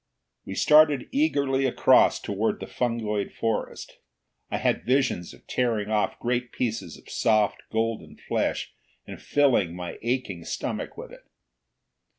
We started eagerly across toward the fungoid forest. I had visions of tearing off great pieces of soft, golden flesh and filling my aching stomach with it.